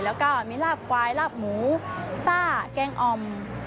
แล้วก็มีลาบควายลาบหมูซ่าแกงอ่อม